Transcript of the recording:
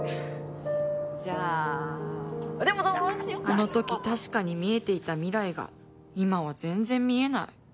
あの時確かに見えていた未来が今は全然見えない。